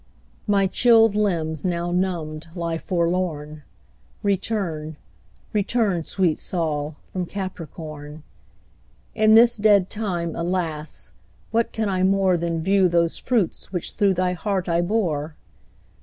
My chilled limbs now numbed lie forlorn; Return; return, sweet Sol, from Capricorn; In this dead time, alas, what can I more Than view those fruits which through thy heart I bore?